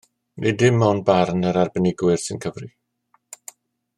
Nid dim ond barn yr arbenigwyr sy'n cyfri